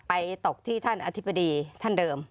ตกที่ท่านอธิบดีท่านเดิม